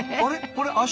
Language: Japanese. これ足？